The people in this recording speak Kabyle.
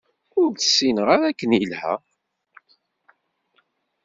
Ur tt-ssineɣ ara akken ilha.